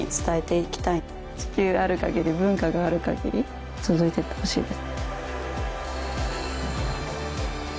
地球ある限り文化がある限り続いてってほしいです。